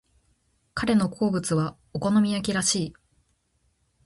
彼の好物はお好み焼きらしい。